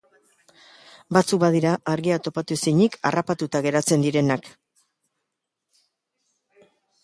Batzuk badira argia topatu ezinik harrapatuta geratzen direnak.